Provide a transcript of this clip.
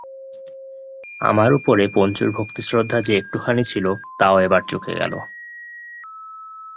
আমার উপরে পঞ্চুর ভক্তিশ্রদ্ধা যে একটুখানি ছিল তাও এবার চুকে গেল।